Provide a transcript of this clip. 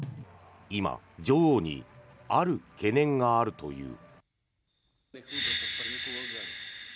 今、女王にある懸念があるという。